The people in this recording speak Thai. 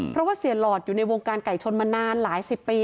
เพราะว่าเสียหลอดอยู่ในวงการไก่ชนมานานหลายสิบปี